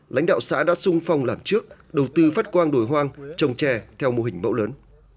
lãnh đạo xã đã sung phong làm trước đầu tư phát quang đồi hoang trồng trè theo mô hình mẫu lớn